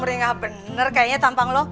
sumri gak bener kayaknya tampang lo